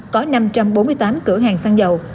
có năm trăm bốn mươi tám cửa hàng xăng dầu